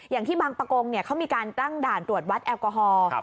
อย่างที่บางประกงเขามีการตั้งด่านตรวจวัดแอลกอฮอล์